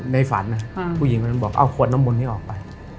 ในฝันผู้หญิงมันบอกเอาขวดน้ำมนนี้ออกไป